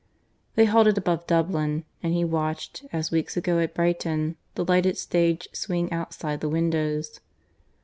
... They halted above Dublin, and he watched, as weeks ago at Brighton, the lighted stage swing outside the windows.